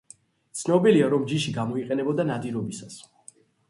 ცნობილია, რომ ჯიში გამოიყენებოდა ნადირობისას.